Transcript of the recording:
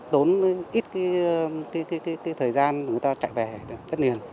tốn ít cái thời gian người ta chạy về đất liền